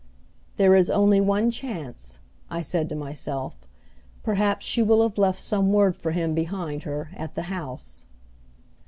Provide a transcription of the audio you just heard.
"There is only one chance," I said to myself. "Perhaps she will have left some word for him behind her at the house."